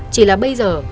chỉ là bây giờ